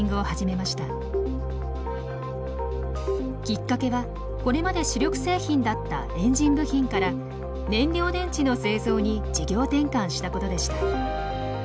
きっかけはこれまで主力製品だったエンジン部品から燃料電池の製造に事業転換したことでした。